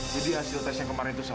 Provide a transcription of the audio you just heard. jadi hasil tes yang kemarin itu salah